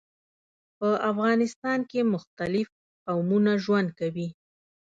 په افغانستان کي مختلیف قومونه ژوند کوي.